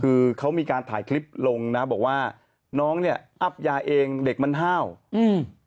คือเขามีการถ่ายคลิปลงนะบอกว่าน้องเนี้ยอับยาเองเด็กมันห้าวอืม